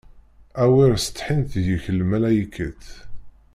Awer setḥint deg-k lmalaykat!